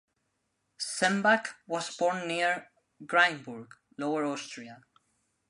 Sembach was born near Greinburg, Lower Austria.